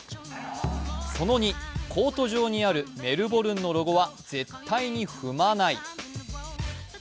その２、コート上にあるメルボルンのロゴは絶対に踏まない。